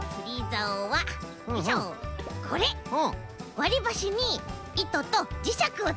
わりばしにいととじしゃくをつけたんだ。